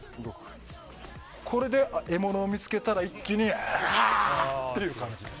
これで、獲物を見つけたら一気にウワワっていう感じで。